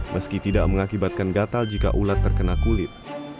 meski tidak mengakibatkan gatal jika ulat terkena kulit